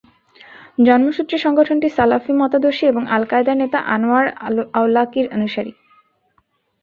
জন্মসূত্রে সংগঠনটি সালাফি মতাদর্শী এবং আল কায়েদার নেতা আনওয়ার আওলাকির অনুসারী।